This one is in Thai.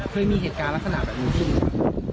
เคยมีเหตุการณ์ลักษณะแบบนี้ขึ้นไหม